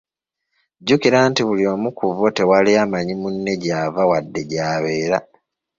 Jjukira nti buli omu ku abo tewali amanyi munne gy’ava wadde gy’abeera.